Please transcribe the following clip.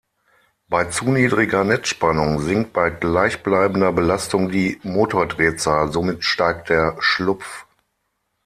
Bei zu niedriger Netzspannung sinkt bei gleichbleibender Belastung die Motordrehzahl, somit steigt der Schlupf.